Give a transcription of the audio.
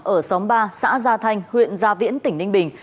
ở xóm ba xã gia thanh huyện gia viễn tỉnh ninh bình